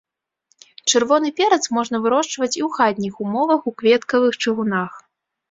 Чырвоны перац можна вырошчваць і ў хатніх умовах у кветкавых чыгунах.